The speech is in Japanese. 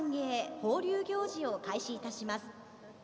・放流行事を開始いたします。